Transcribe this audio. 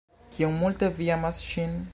Kiom multe vi amas ŝin.